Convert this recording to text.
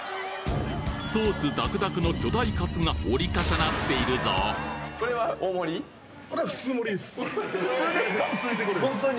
ソースダクダクの巨大カツが折り重なっているぞ普通ですか？